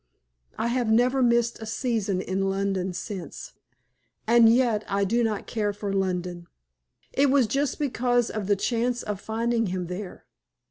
I have never missed a season in London since, and yet I do not care for London. It was just because of the chance of finding him there.